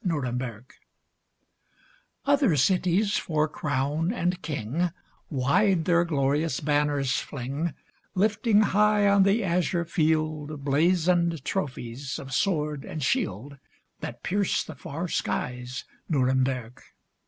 NUREMBERG 4^3 Other cities for crown and king Wide their glorious banners fling, Lifting high on the azure field Blazoned trophies of sword and shield, That pierce the far skies, Nuremberg